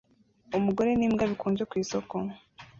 Umugore n'imbwa bikonje ku isoko